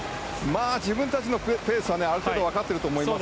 自分たちのペースはある程度分かっていると思いますし